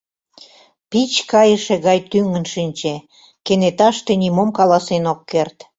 Пич кайыше гай тӱҥын шинче, кенеташте нимом каласен ок керт.